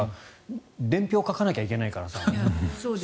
伝票を書かなきゃいけないからさって。